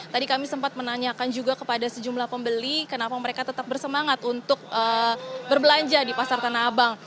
tadi kami sempat menanyakan juga kepada sejumlah pembeli kenapa mereka tetap bersemangat untuk berbelanja di pasar tanah abang